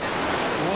うわ！